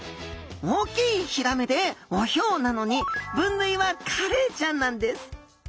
「大きい鮃」で「オヒョウ」なのに分類はカレイちゃんなんです。